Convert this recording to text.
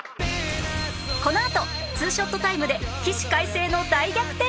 このあと２ショットタイムで起死回生の大逆転劇！？